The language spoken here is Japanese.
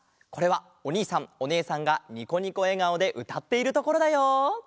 これはおにいさんおねえさんがニコニコえがおでうたっているところだよ。